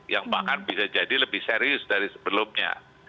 yang bahkan bisa jadi lebih serius dari sebelumnya